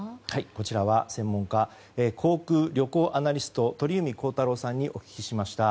こちらは航空・旅行アナリスト鳥海高太朗さんにお聞きしました。